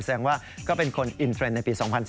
แสดงว่าก็เป็นคนอินเทรนด์ในปี๒๐๑๙